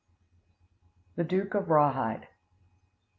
] The Duke of Rawhide.